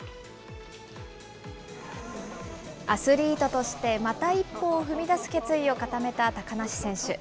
アスリートとしてまた一歩を踏み出す決意を固めた高梨選手。